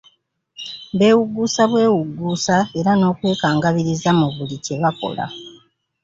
Bewugguusa bwewugguusa era n'okwekangabiriza mu buli kye bakola.